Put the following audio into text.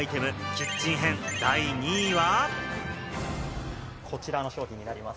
キッチン編・第２位は。